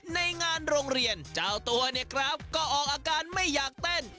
ในงานโรงเรียนเจ้าตัวเนี่ยครับก็ออกอาการไม่อยากเต้น